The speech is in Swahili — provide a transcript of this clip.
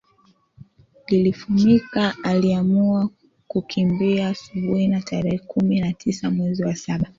Lifumika aliamua kukimbia asubuhi ya tarehe kumi na tisa mwezi wa saba